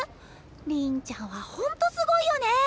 りんちゃんはホントすごいよね！